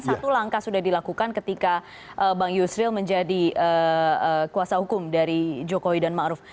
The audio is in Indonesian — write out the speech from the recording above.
satu langkah sudah dilakukan ketika bang yusril menjadi kuasa hukum dari jokowi dan ma'ruf